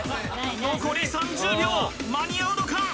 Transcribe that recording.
残り３０秒間に合うのか？